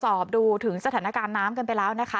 สอบดูถึงสถานการณ์น้ำกันไปแล้วนะคะ